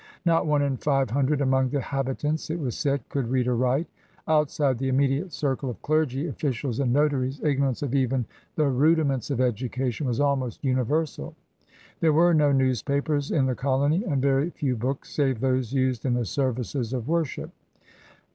Not one in five hundred among the habitants, it was said, could read or write. Outside the immediate circle of clergy, officials, and notaries, ^[norance of even the rudiments of education was almost universal. There were no newspapers in the colony and very few books save those used in the services of worship.